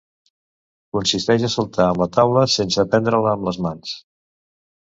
Consisteix a saltar amb la taula sense prendre-la amb les mans.